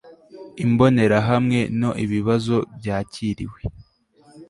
imbonerahamwe no ibibazo byakiriwe